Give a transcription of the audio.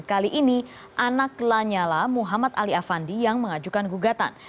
kali ini anak lanyala muhammad ali afandi yang mengajukan gugatan